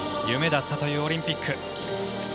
夢だったというオリンピック。